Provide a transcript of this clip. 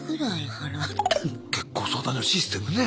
結婚相談所のシステムね。